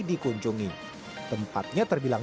dikunjungi tempatnya terbilang